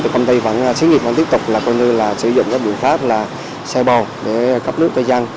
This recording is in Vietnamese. thì công ty vẫn tiếp tục sử dụng các biện pháp là xe bồn để cấp nước cho dân